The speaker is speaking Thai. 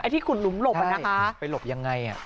ไอ้ที่ขุดหลุมหลบน่ะคะ